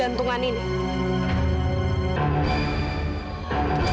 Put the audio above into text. kamu harus mencari kejadian yang lebih baik